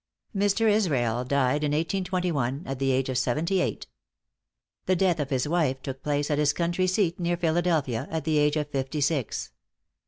Mr. Israel died in 1821, at the age of seventy eight. The death of his wife took place at his country seat near Philadelphia, at the age of fifty six.